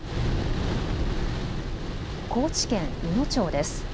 高知県いの町です。